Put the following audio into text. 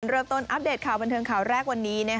เริ่มต้นอัปเดตข่าวบันเทิงข่าวแรกวันนี้